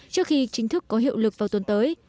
trước khi chính thức có hiệu lực vào tuần tới